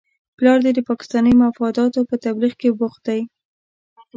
پلار دې د پاکستاني مفاداتو په تبلیغ کې بوخت دی؟